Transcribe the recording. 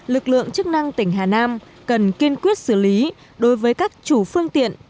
lực lượng chức năng tỉnh hà nam cần kiên quyết xử lý đối với các chủ phương tiện